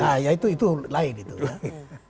nah ya itu itu lain gitu ya